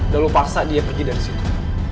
dah lo paksa dia pergi dari situ